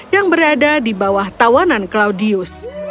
yang berada di bawah tawanan claudius